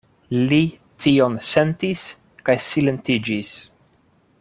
Li tion sentis kaj silentiĝis.